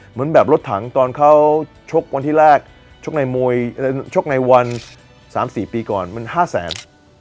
เหมือนแบบรถถังตอนเขาชกวันที่แรกชกในวัน๓๔ปีก่อนมัน๕๐๐๐๐๐